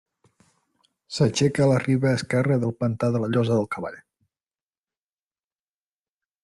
S'aixeca a la riba esquerra del pantà de la Llosa del Cavall.